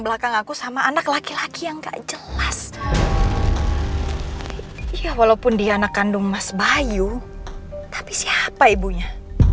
belakang aku sama anak laki laki yang gak jelas ya walaupun dia anak kandung mas bayu tapi siapa ibunya